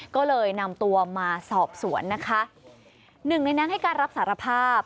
ก็เลยนำตัวมาสอบสวนนะคะหนึ่งในนั้นให้การรับสารภาพ